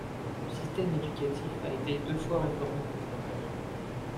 Le système éducatif a été deux fois réformé en profondeur.